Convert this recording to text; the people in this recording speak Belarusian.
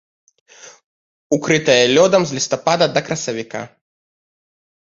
Укрытая лёдам з лістапада да красавіка.